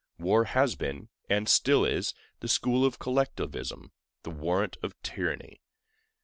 War has been, and still is, the school of collectivism, the warrant of tyranny.